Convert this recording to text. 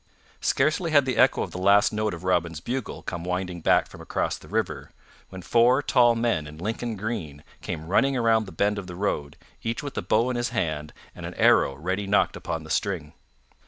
Scarcely had the echo of the last note of Robin's bugle come winding back from across the river, when four tall men in Lincoln green came running around the bend of the road, each with a bow in his hand and an arrow ready nocked upon the string.